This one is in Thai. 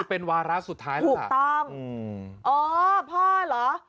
เป็นวาระสุดท้ายแล้วค่ะอืมถูกต้อง